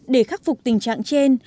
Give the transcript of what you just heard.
để khắc phục tình trạng trên